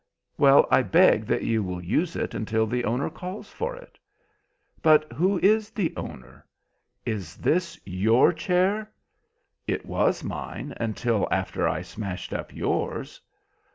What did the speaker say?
"Well, I beg that you will use it until the owner calls for it." "But who is the owner? Is this your chair?" "It was mine until after I smashed up yours."